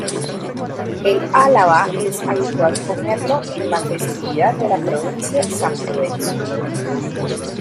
En Álava es habitual comerlo en la festividad de la provincia, San Prudencio.